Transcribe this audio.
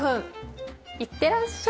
いってらっしゃい。